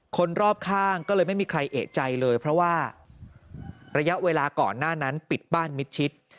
คนรอบข้างก็เลยไม่มีใครเอกใจเลยเพราะว่าระยะเวลาก่อนหน้านั้นปิดบ้านมิดชิด